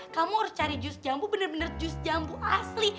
kamu harus cari jus jambu bener bener jus jambu asli